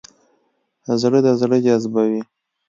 زړه د زړه جذبوي.